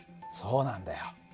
そうなんだよ。